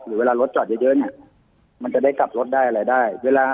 หรือเวลารถจอดเยอะเยอะเนี่ยมันจะได้กลับรถได้อะไรได้